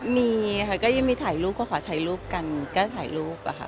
มีค่ะก็ยังมีถ่ายรูปก็ขอถ่ายรูปกันก็ถ่ายรูปอะค่ะ